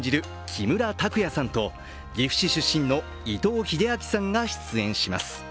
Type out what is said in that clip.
木村拓哉さんと岐阜市出身の伊藤英明さんが出演します。